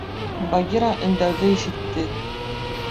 Багира өндәүҙе ишетте.